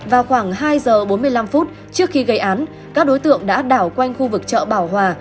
vào khoảng hai giờ bốn mươi năm phút trước khi gây án các đối tượng đã đảo quanh khu vực chợ bảo hòa